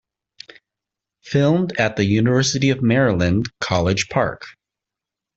Filmed at the University of Maryland, College Park.